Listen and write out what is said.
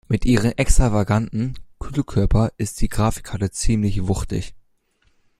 Mit ihrem extravaganten Kühlkörper ist die Grafikkarte ziemlich wuchtig.